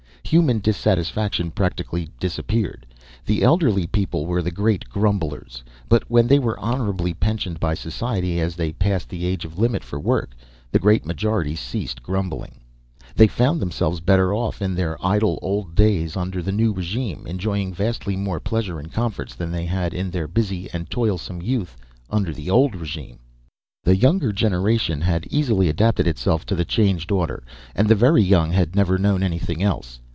Human dissatisfaction practically disappeared. The elderly people were the great grumblers; but when they were honourably pensioned by society, as they passed the age limit for work, the great majority ceased grumbling. They found themselves better off in their idle old days under the new regime, enjoying vastly more pleasure and comforts than they had in their busy and toilsome youth under the old regime. The younger generation had easily adapted itself too the changed order, and the very young had never known anything else.